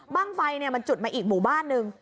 บ้างไฟมันจุดมาอีกหมู่บ้านนึง